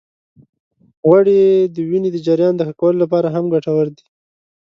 غوړې د وینې د جريان د ښه کولو لپاره هم ګټورې دي.